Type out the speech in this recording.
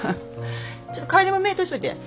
ちょっと楓も目通しといて。